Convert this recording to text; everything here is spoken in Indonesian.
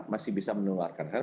masih bisa menularkan